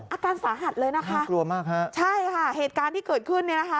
อาการสาหัสเลยนะคะกลัวมากฮะใช่ค่ะเหตุการณ์ที่เกิดขึ้นเนี่ยนะคะ